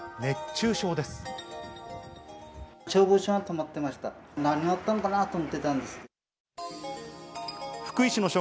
何があったのかなと思ってたんです。